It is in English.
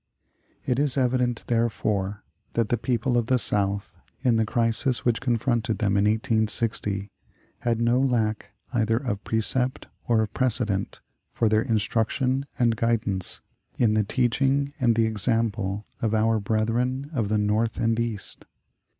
It is evident, therefore, that the people of the South, in the crisis which confronted them in 1860, had no lack either of precept or of precedent for their instruction and guidance in the teaching and the example of our brethren of the North and East.